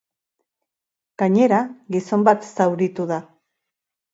Gainera, gizon bat zauritu da.